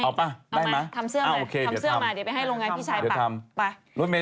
เอามาทำเสื้อมาเดี๋ยวไปให้โรงงานพี่ชัยปัก